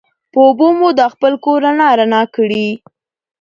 په اوبو مو دا خپل کور رڼا رڼا کړي